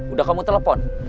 udah kamu telepon